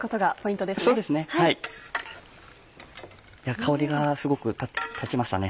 香りがすごく立ちましたね。